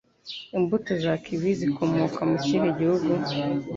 Imbuto za Kiwi zikomoka mu kihe gihugu?